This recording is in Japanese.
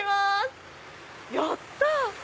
やった！